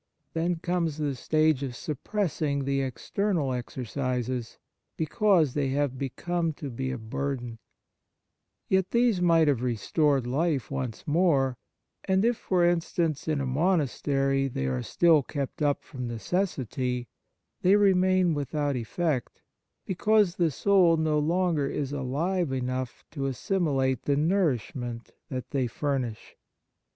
Then comes the stage of suppressing the external exercises, because they have come to be a bur den*; yet these might have restored life once more, and if, for instance, in a monastery, they are still kept up from necessity, they remain without effect, because the soul no longer is alive enough to assimilate the nourish ment that they furnish.